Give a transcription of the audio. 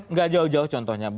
nggak jauh jauh contohnya